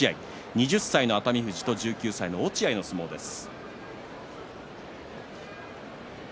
２０歳の熱海富士と１９歳の落合の相撲です。